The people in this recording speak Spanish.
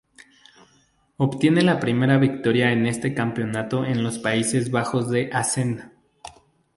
Obtiene la primera victoria en este campeonato en los Países Bajos en Assen.